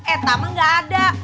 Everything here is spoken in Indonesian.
eh tamang gak ada